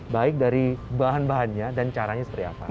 baik dari bahan bahannya dan caranya seperti apa